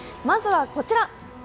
まずはこちら！